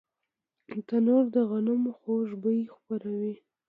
تنور د غنمو خوږ بوی خپروي